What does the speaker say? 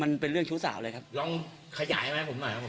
มันเป็นเรื่องชู้สาวเลยครับลองขยายมาให้ผมหน่อยครับผม